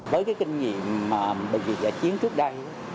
với cái kinh nghiệm bệnh viện giả chiến trước đây